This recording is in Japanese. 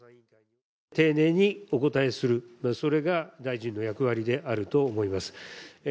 丁寧にお答えする、それが大臣の役割であると思います。